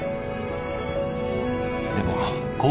でも。